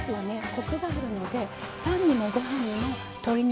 コクがあるのでパンにもご飯にも鶏にも。